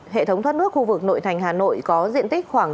hệ thống thoát nước khu vực nội thành hà nội có diện tích khoảng